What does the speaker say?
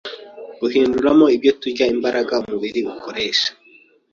guhinduramo ibyo turya imbaraga umubiri ukoresha